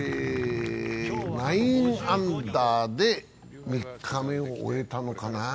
９アンダーで３日目を終えたのかな。